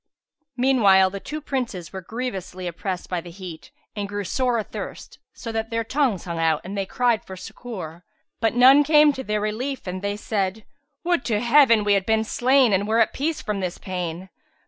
Meanwhile the two Princes were grievously oppressed by the heat and grew sore athirst, so that their tongues hung out and they cried for succour, but none came to their relief and they said, "Would to Heaven we had been slain and were at peace from this pain!